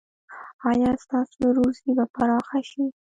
ایا ستاسو روزي به پراخه شي؟